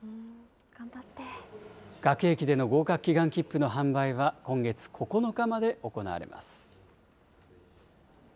学駅での合格祈願きっぷの販売は今月９日まで行われます。